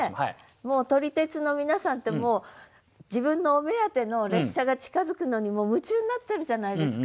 もう撮り鉄の皆さんってもう自分のお目当ての列車が近づくのに夢中になってるじゃないですか。